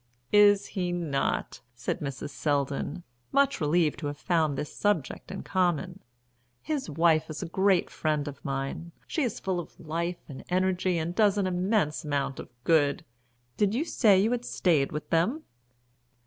"Is he not?" said Mrs. Selldon, much relieved to have found this subject in common. "His wife is a great friend of mine; she is full of life and energy, and does an immense amount of good. Did you say you had stayed with them?"